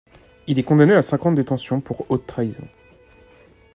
Il est condamné à cinq ans de détention pour haute trahison.